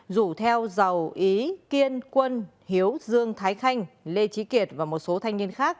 rủ theo giàu ý kiên quân hiếu dương thái khanh lê trí kiệt và một số thanh niên khác